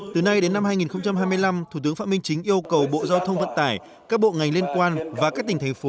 từ nay đến năm hai nghìn hai mươi năm thủ tướng phạm minh chính yêu cầu bộ giao thông vận tải các bộ ngành liên quan và các tỉnh thành phố